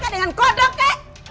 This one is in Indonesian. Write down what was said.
dengan kodok kek